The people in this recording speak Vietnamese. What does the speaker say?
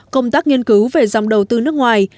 công tác nghiên cứu về dòng đầu tư nước ngoài